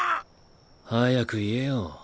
早く言えよ。